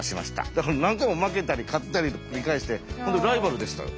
だから何回も負けたり勝ったりの繰り返しで本当にライバルでしたよ。